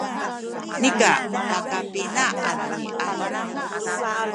nika pakapina a demiad